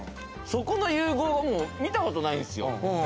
そこの融合は見たことないですよ。